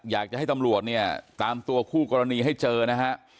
หากให้ตำรวจตามตัวกรณีให้เจอนะครับ